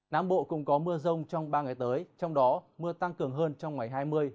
nam bộ cũng có mưa rông trong ba ngày tới trong đó mưa tăng cường hơn trong ngày hai mươi hai mươi một